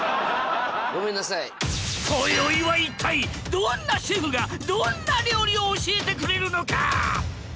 ごめんなさいこよいは一体どんなシェフがどんな料理を教えてくれるのか？